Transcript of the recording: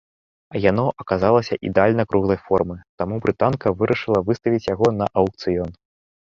Яно аказалася ідэальна круглай формы, таму брытанка вырашыла выставіць яго на аўкцыён.